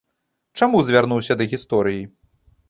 Чаму звярнуўся да гісторыі?